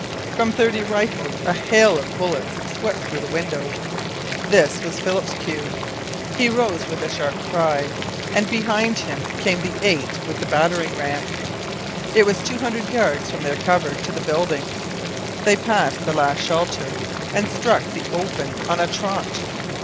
From thirty rifles a hail of bullets swept through the windows. This was Philip's cue. He rose with a sharp cry, and behind him came the eight with the battering ram. It was two hundred yards from their cover to the building. They passed the last shelter, and struck the open on a trot.